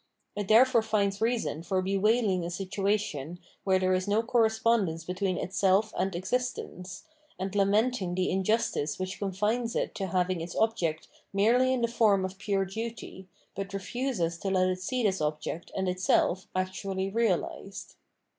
It therefore finds reason for bewailing a situation where there is no correspondence between itself and existence, and lamenting the injustice which confines it to having its object merely in the form of pure duty but refuses to let it see this object and itself actually realised.